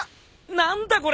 何だこれ！